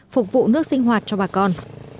phục vụ nước sinh hoạt cho bà con